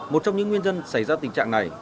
một trong những nguyên nhân xảy ra tình trạng này